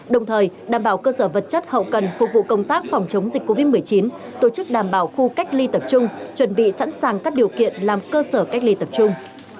đồng thời đảm bảo cơ sở vật chất hậu cần phục vụ công tác phòng chống dịch covid một mươi chín tổ chức đảm bảo khu cách ly tập trung chuẩn bị sẵn sàng các điều kiện làm cơ sở cách ly tập trung